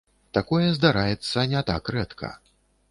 Такое здараецца не так рэдка.